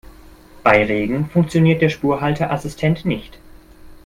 Bei Regen funktioniert der Spurhalteassistent nicht.